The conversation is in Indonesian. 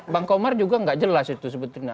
bang komar juga nggak jelas itu sebetulnya